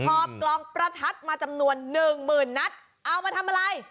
อบกลองประทัดมาจำนวนหนึ่งหมื่นนัดเอามาทำอะไร